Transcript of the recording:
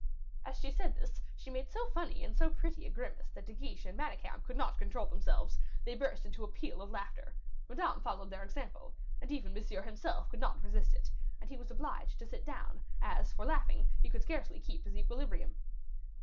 As she said this, she made so funny and so pretty a grimace, that De Guiche and Manicamp could not control themselves; they burst into a peal of laugher; Madame followed their example, and even Monsieur himself could not resist it, and he was obliged to sit down, as, for laughing, he could scarcely keep his equilibrium.